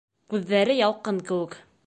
Күҙҙәре ялҡын кеүек.